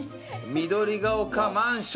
緑ヶ丘マンション。